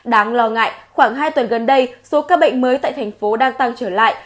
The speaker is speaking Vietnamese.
đáng lo ngại khoảng hai tuần gần đây số ca bệnh mới tại thành phố đang tăng trở lại